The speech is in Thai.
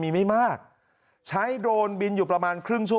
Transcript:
มึงอยากให้ผู้ห่างติดคุกหรอ